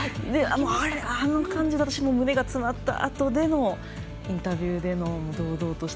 あの感じで私も胸が詰まったあとでのインタビューでの堂々とした。